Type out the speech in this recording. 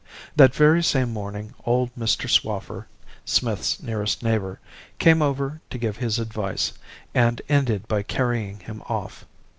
"That very same morning old Mr. Swaffer (Smith's nearest neighbour) came over to give his advice, and ended by carrying him off.